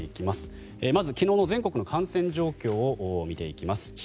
まず、昨日の全国の感染状況を見ていきます。